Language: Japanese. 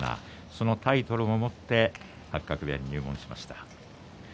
そのタイトルを持って八角部屋に入門しました。